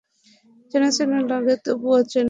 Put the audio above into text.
চেনা চেনা লাগে, তবুও অচেনা।